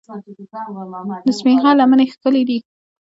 د سپین غر لمنې ښکلې دي